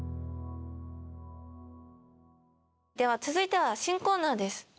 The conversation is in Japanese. では続いては新コーナーです。